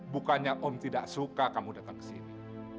bukannya om tidak suka kamu datang ke sini